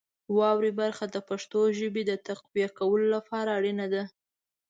واورئ برخه د پښتو ژبې د تقویه کولو لپاره اړینه ده.